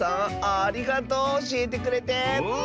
ありがとうおしえてくれて！